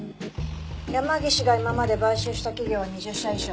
山岸が今まで買収した企業は２０社以上。